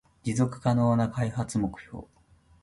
持続可能な開発目標